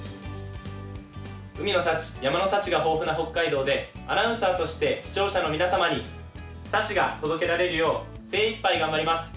海の幸、山の幸が豊富な北海道でアナウンサーとして視聴者の皆様に幸が届けられるよう精いっぱい頑張ります。